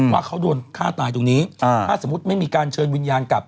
ว่าเขาโดนฆ่าตายตรงนี้ถ้าสมมุติไม่มีการเชิญวิญญาณกลับ